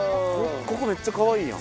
ここめっちゃかわいいやん。